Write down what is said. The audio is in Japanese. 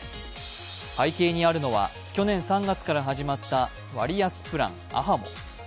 背景にあるのは、去年３月から始まった割安プランａｈａｍｏ。